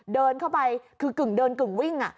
เดินเข้าไปคือกึ่งเดินกึ่งวิ่ง